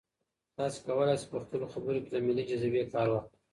تاسي کولای شئ په خپلو خبرو کې له ملي جذبې کار واخلئ.